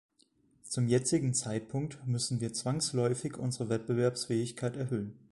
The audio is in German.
Zum jetzigen Zeitpunkt müssen wir zwangsläufig unsere Wettbewerbsfähigkeit erhöhen.